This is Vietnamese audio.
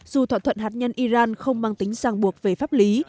dù thỏa thuận hạt nhân iran không mang tính sàng buộc về pháp lý